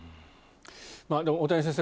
大谷先生